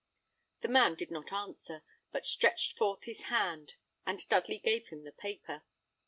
The man did not answer, but stretched forth his hand; and Dudley gave him the paper.